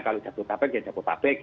kalau jatuh tabek jatuh tabek